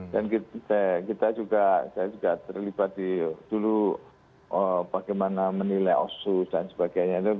dan kita juga terlibat dulu bagaimana menilai osu dan sebagainya